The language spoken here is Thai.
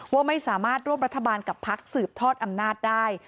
ว่าไม่สามารถร่วมรัฐบาลกับพักสืบทอดอำนาจได้